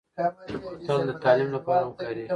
بوتل د تعلیم لپاره هم کارېږي.